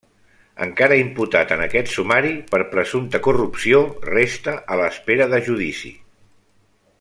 Encara imputat en aquest sumari per presumpta corrupció, resta a l'espera de judici.